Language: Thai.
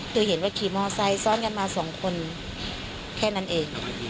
คือเห็นว่าขี่มอไซค์ซ้อนกันมาสองคนแค่นั้นเอง